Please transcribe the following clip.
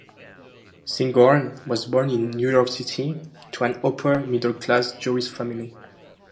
Spingarn was born in New York City to an upper middle-class Jewish family.